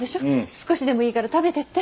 少しでもいいから食べていって。